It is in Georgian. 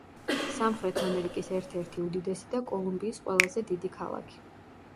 სამხრეთ ამერიკის ერთ-ერთი უდიდესი და კოლუმბიის ყველაზე დიდი ქალაქი.